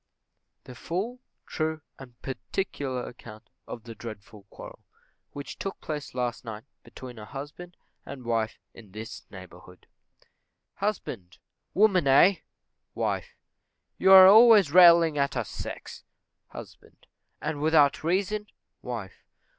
THE FULL, TRUE, AND PARTICULAR ACCOUNT OF THE DREADFUL QUARREL Which took place Last Night between a Husband and Wife in this Neighbourhood. Husband. Woman aye! Wife. You are always railing at our sex. Husband. And without reason? _Wife.